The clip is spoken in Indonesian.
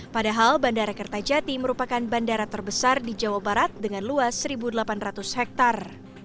padahal bandara kertajati merupakan bandara terbesar di jawa barat dengan luas satu delapan ratus hektare